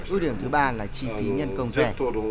ưu điểm thứ ba là chi phí nhân công rẻ